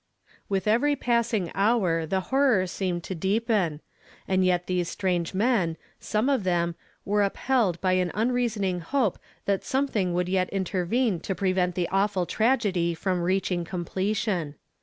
With every passing hour the horror seemed to deepen ; and yet these strange men, some of them, were upheld by an unreasoning hope that some thing would yet intervene to prevent the awful tragedy from reaching completion.